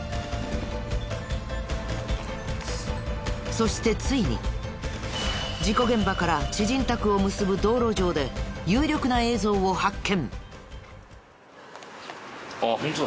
そしてついに事故現場から知人宅を結ぶ道路上で有力な映像を発見。